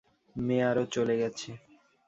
মেয়ারও চলে গেছে।